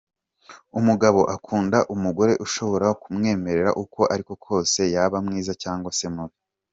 Umugabo akunda umugore ushobora kumwemera uko ari kose yaba mwiza cyangwa se mubi.